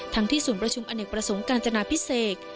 ทั้งที่ส่วนประชุมอเนกประสงค์การจนาพิเศษ